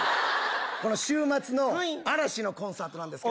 週末の嵐のコンサートなんですけど。